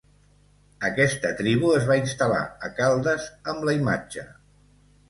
Aquesta tribu es va instal·lar a Caldes amb la imatge.